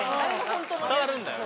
伝わるんだよな。